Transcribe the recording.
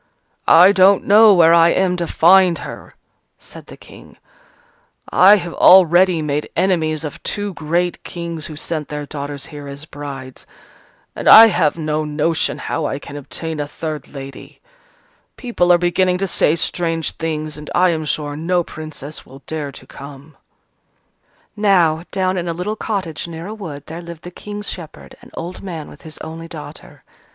"I don't know where I am to find her," said the King, "I have already made enemies of two great Kings who sent their daughters here as brides: and I have no notion how I can obtain a third lady. People are beginning to say strange things, and I am sure no Princess will dare to come." Now, down in a little cottage near a wood, there lived the King's shepherd, an old man with his only daughter.